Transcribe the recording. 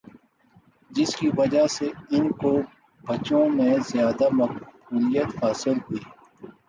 جس کی وجہ سے ان کو بچوں میں زیادہ مقبولیت حاصل ہوئی